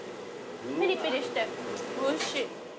ピリピリしておいしい。